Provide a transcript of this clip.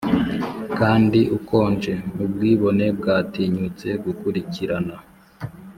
kandi ukonje ubwibone bwatinyutse gukurikirana